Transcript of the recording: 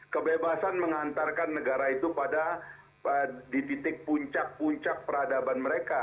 kebebasan mengantarkan negara itu pada di titik puncak puncak peradaban mereka